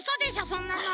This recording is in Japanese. そんなの。